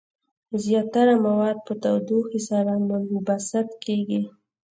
زیاتره مواد په تودوخې سره منبسط کیږي.